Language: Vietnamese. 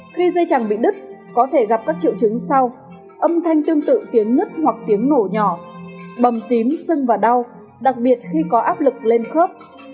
khi dây chẳng bị đứt có thể gặp các triệu chứng sau âm thanh tương tự tuyến nhứt hoặc tiếng nổ nhỏ bầm tím sưng và đau đặc biệt khi có áp lực lên khớp